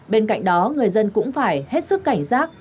bên cạnh đó người dân cũng phải hết sức cảnh giác